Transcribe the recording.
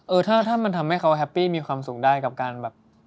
เออถ้ามันทำให้เขาแฮปปี้มีความสุขได้กับการแบบ